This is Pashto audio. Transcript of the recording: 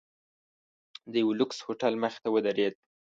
د یوه لوکس هوټل مخې ته ودریده.